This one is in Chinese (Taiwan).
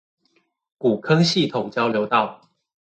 古坑系統交流道